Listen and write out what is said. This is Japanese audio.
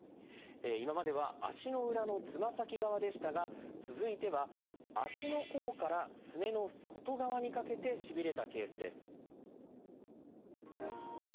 今までは足の裏のつま先側でしたが続いては足の甲からすねの外側にかけてしびれたケースです。